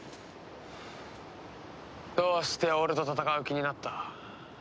どうして俺と戦う気になった？